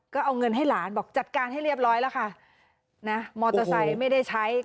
ก็เอาเงินให้หลานบอกจัดการให้เรียบร้อยแล้วค่ะนะมอเตอร์ไซค์ไม่ได้ใช้